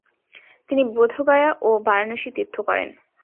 তিনি বোধগয়া ও বারাণসী তীর্থ করেন।